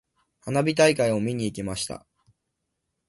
花火大会を見に行きました。